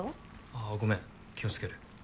あごめん気をつける。